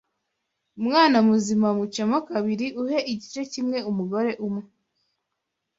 umwana muzima mucemo kabiri uhe igice kimwe umugore umwe